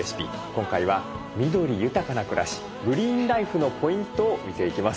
今回は緑豊かな暮らしグリーンライフのポイントを見ていきます。